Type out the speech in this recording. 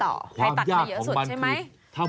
ใครตักกันเยอะสุดใช่ไหมถักกันเยอะสุดหรือไร